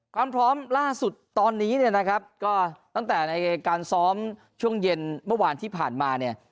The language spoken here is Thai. ความพร้อมล่าสุดตอนนี้ก็ตั้งแต่ในการซ้อมช่วงเย็นเมื่อวานที่ผ่านมา